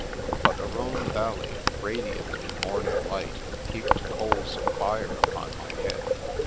But the Rhone Valley, radiant in morning light, heaped coals of fire upon my head.